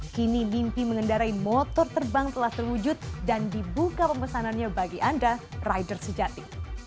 kini mimpi mengendarai motor terbang telah terwujud dan dibuka pemesanannya bagi anda rider sejati